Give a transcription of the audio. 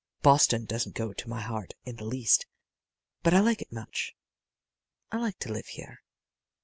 Boston doesn't go to my heart in the least, but I like it much. I like to live here."